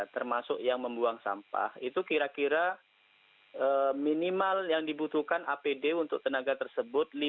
termasuk yang membuang sampah itu kira kira minimal yang dibutuhkan apd untuk tenaga tersebut